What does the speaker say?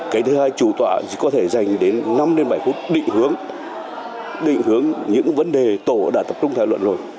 cái thứ hai chủ tọa có thể dành đến năm bảy phút định hướng định hướng những vấn đề tổ đã tập trung thảo luận rồi